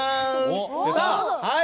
さあはい。